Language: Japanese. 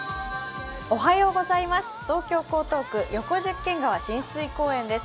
東京・江東区、横十間川親水公園です。